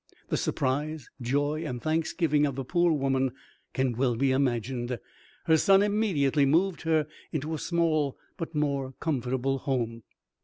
The surprise, joy, and thanksgiving of the poor woman can well be imagined. Her son immediately moved her into a small but more comfortable home.